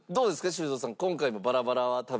修造さん。